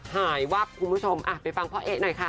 หายวักคุณผู้ชมเอ่อไปฟังพ่อเอ๊หน่อยค่ะ